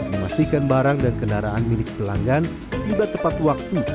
memastikan barang dan kendaraan milik pelanggan tiba tepat waktu